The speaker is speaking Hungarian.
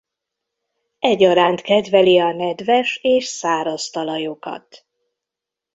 Egyaránt kedveli a nedves és száraz talajokat.